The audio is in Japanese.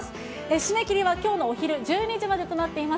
締め切りはきょうのお昼１２時までとなっています。